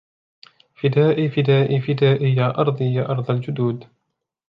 فدائي فدائي فدائي يا أرضي يا أرض الجدود